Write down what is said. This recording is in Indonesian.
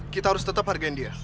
kita harus tetap hargain dia